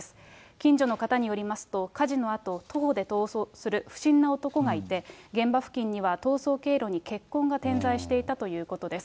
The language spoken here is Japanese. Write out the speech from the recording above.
近所の方によりますと、火事のあと、徒歩で逃走する不審な男がいて、現場付近には逃走経路に血痕が点在していたということです。